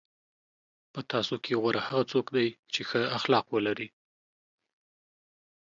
په تاسو کې غوره هغه څوک دی چې ښه اخلاق ولري.